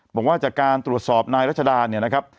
บอกว่าจากการตรวจสอบนายรัชดาเนี่ยนะครับ